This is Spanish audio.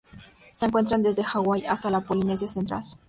Se encuentra desde Hawaii hasta la Polinesia central.